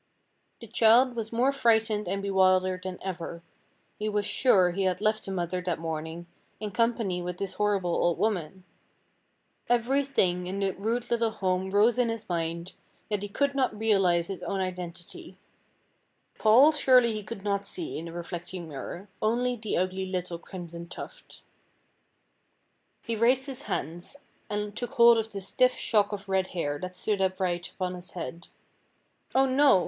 The child was more frightened and bewildered than ever. He was sure he had left the mother that morning, in company with this horrible old woman. Every thing in the rude little home rose in his mind, yet he could not realize his own identity. Paul surely he could not see in the reflecting mirror, only the ugly little Crimson Tuft. He raised his hands and took hold of the stiff shock of red hair that stood up· right upon his head. Oh, no!